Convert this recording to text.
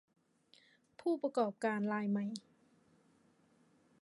ผู้ประกอบการรายใหม่